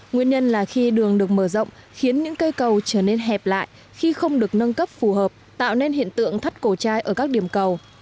nguyên nhân là khi đường được mở rộng khiến những cây cầu trở nên hẹp lại khi không được nâng cấp phù hợp tạo nên hiện tượng thắt cổ trai ở các điểm cầu